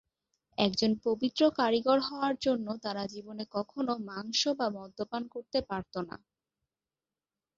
একজন পবিত্র কারিগর হওয়ার জন্য তারা জীবনে কখনো মাংস বা মদ্যপান করতে পারত না।